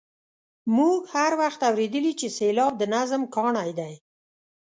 موږ هر وخت اورېدلي چې سېلاب د نظم کاڼی دی.